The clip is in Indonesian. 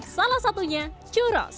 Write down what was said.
salah satunya churros